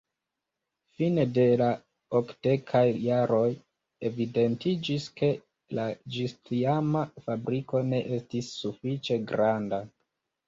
Fine de la okdekaj jaroj, evidentiĝis ke la ĝistiama fabriko ne estis sufiĉe granda.